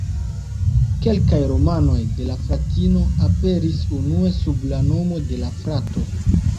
Kelkaj romanoj de la fratino aperis unue sub la nomo de la frato.